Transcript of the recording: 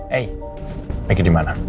hei peggy di mana